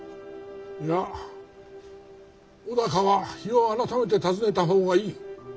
いや尾高は日を改めて訪ねた方がいい。